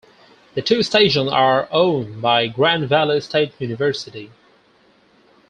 The two stations are owned by Grand Valley State University.